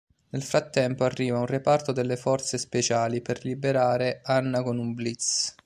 Nel frattempo arriva un reparto delle forze speciali per liberare Anna con un blitz.